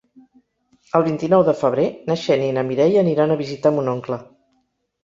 El vint-i-nou de febrer na Xènia i na Mireia aniran a visitar mon oncle.